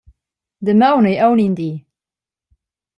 Damaun ei aunc in di!